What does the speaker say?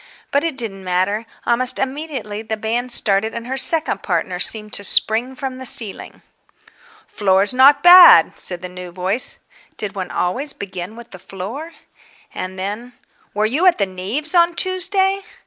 But it didn't matter. Almost immediately the band started and her second partner seemed to spring from the ceiling. "Floor's not bad," said the new voice. Did one always begin with the floor? And then, "Were you at the Neaves' on Tuesday?"